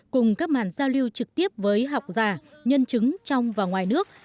cùng các màn giao lưu trực tiếp với học giả nhân chứng trong và ngoài nước